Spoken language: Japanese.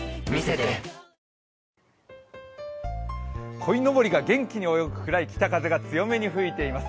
こいのぼりが元気に泳ぐくらい北風が強く吹いています。